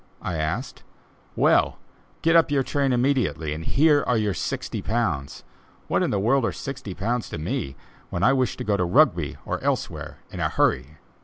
I asked; "well, get up your train immediately and here are your sixty pounds. What in the world are sixty pounds to me, when I wish to go to Rugby, or elsewhere, in a hurry!"